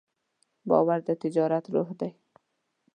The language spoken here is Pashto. باور د تجارت روح دی.